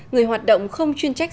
người hoạt động không chuyên trách